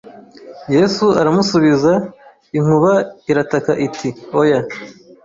Yesu aramusubiza inkuba irataka iti oya